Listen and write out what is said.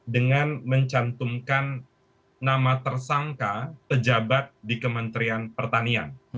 dengan mencantumkan nama tersangka pejabat di kementerian pertanian